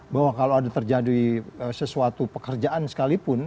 bahwa kalau ada terjadi sesuatu pekerjaan sekalipun